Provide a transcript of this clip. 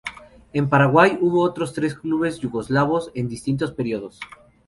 En Paraguay, hubo otros cuatro clubes yugoslavos, en distintos periodos.